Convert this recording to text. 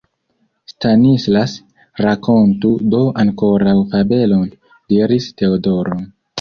Stanislas, rakontu do ankoraŭ fabelon! diris Teodoro.